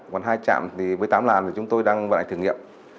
còn hai trạm thì với tám làn thì chúng tôi đang vận hành thử nghiệm